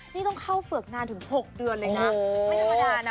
นี่ต้องเข้าเฝือกนานถึง๖เดือนเลยนะไม่ธรรมดานะ